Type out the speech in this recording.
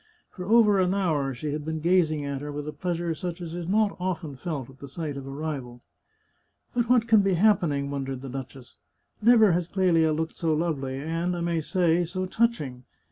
For over an hour she had been gazing at her with a pleasure such as is not often felt at the sight of a rival. " But what can be happening?" wondered the duchess. " Never has Clelia looked so lovely, and I may say, so touching.